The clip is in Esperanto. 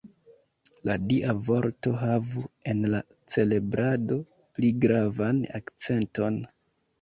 La Dia Vorto havu en la celebrado pli gravan akcenton.